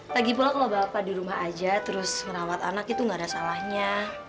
lagi pula kalau bapak di rumah aja terus merawat anak itu gak ada salahnya